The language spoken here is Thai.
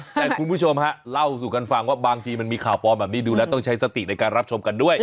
แต่คุณผู้ชมฮะเล่าสู่กันฟังว่าบางทีมันมีข่าวปลอมแบบนี้ดูแล้วต้องใช้สติในการรับชมกันด้วย